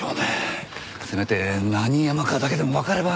せめて何山かだけでもわかれば。